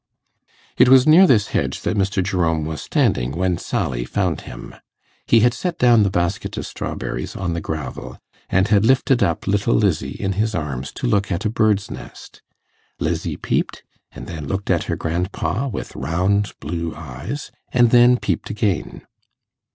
It was near this hedge that Mr. Jerome was standing when Sally found him. He had set down the basket of strawberries on the gravel, and had lifted up little Lizzie in his arms to look at a bird's nest. Lizzie peeped, and then looked at her grandpa with round blue eyes, and then peeped again.